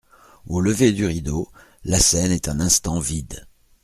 Au lever du rideau, la scène est un instant vide.